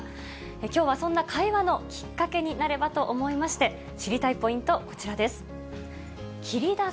きょうはそんな会話のきっかけになればと思いまして、知りたいポイント、こちらです。